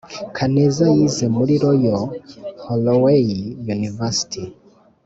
kaneza yize muri royal holloway university